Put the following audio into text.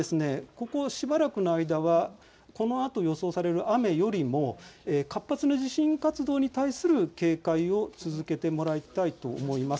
ここしばらくの間はこのあと予想される雨よりも活発な地震活動に対する警戒を続けてもらいたいと思います。